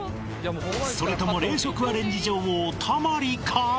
それとも冷食アレンジ女王玉利か？